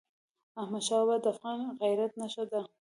احمدشاه بابا د افغان غیرت نښه وه.